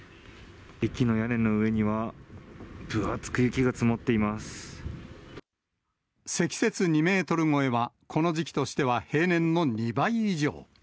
駅の屋根の上には、分厚く雪積雪２メートル超えは、この時期としては平年の２倍以上。